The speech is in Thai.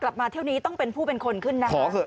กลับมาเท่านี้ต้องเป็นผู้เป็นคนขึ้นนะ